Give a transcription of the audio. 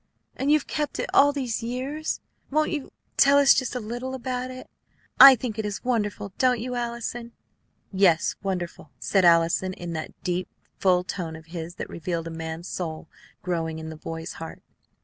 And you have kept it all these years! Won't you tell us just a little about it? I think it is wonderful; don't you, Allison?" "Yes, wonderful!" said Allison in that deep, full tone of his that revealed a man's soul growing in the boy's heart.